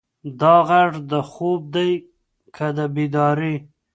دا غږ د خوب دی که د بیدارۍ؟